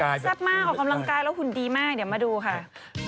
แซ่บมากออกกำลังกายแล้วหุ่นดีมากเดี๋ยวมาดูค่ะ